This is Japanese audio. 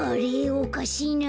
おかしいなあ。